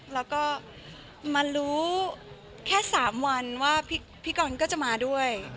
แล้วก็มารู้แค่๓วันว่าพี่กรก็จะมาด้วย